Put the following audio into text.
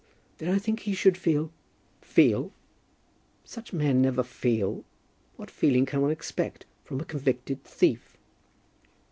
"Then I think he should feel " "Feel! such men never feel! What feeling can one expect from a convicted thief?"